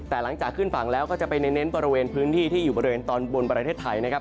แต่หลังจากขึ้นฝั่งแล้วก็จะไปเน้นบริเวณพื้นที่ที่อยู่บริเวณตอนบนประเทศไทยนะครับ